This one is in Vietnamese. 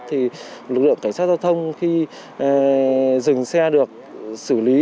thì lực lượng cảnh sát giao thông khi dừng xe được xử lý